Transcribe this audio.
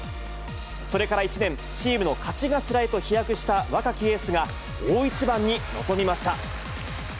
それから１年、チームの勝ち頭へと飛躍した若きエースが、大一番に臨みました。